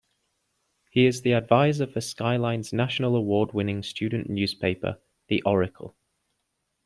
He is the advisor for Skyline's national award winning student newspaper "The Oracle".